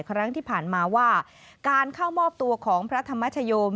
ครั้งที่ผ่านมาว่าการเข้ามอบตัวของพระธรรมชโยม